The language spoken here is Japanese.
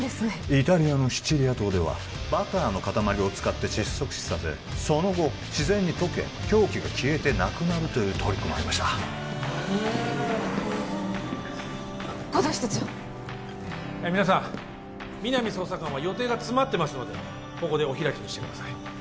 イタリアのシチリア島ではバターの塊を使って窒息死させその後自然に溶け凶器が消えてなくなるというトリックもありましたへえあ護道室長皆さん皆実捜査官は予定が詰まってますのでここでお開きにしてください